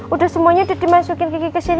udah semuanya udah dimasukin gigi ke sini